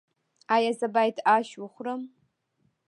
ایا زه باید اش وخورم؟